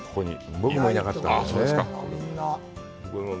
僕もいなかったんだよね。